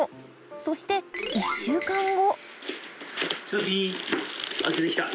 そして１週間後。